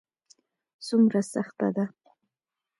څومره سخته ده ؟